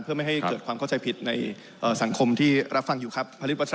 เพื่อไม่ให้เกิดความเข้าใจผิดในสังคมที่รับฟังอยู่ครับ